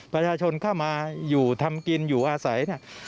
ประชาชนเข้ามาอยู่ทำกินอยู่อาศัยเนี่ย